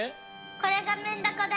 これがメンダコだよ。